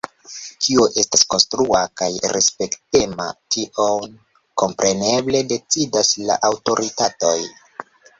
Kio estas “konstrua” kaj “respektema”, tion kompreneble decidas la aŭtoritatoj.